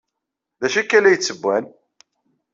D acu akka ay la yettewwan?